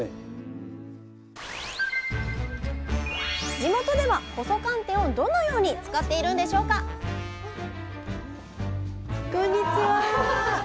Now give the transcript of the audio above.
地元では細寒天をどのように使っているんでしょうかこんにちは。